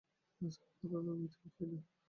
আজকাল কথাতে কিছু হয় না।